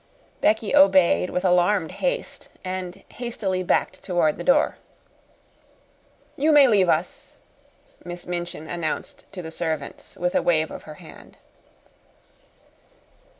Becky obeyed with alarmed haste and hastily backed toward the door. "You may leave us," Miss Minchin announced to the servants with a wave of her hand.